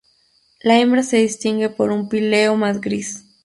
La hembra se distingue por un píleo más gris.